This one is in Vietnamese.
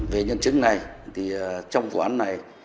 về nhân chứng này thì trong quán này